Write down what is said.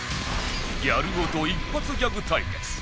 ギャル男と一発ギャグ対決